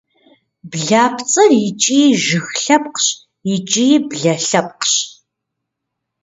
Блапцӏэр икӏи жыг лъэпкъщ, икӏи блэ лъэпкъщ.